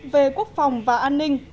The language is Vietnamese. về quốc phòng và an ninh